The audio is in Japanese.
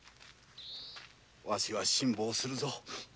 わしは辛抱するぞ。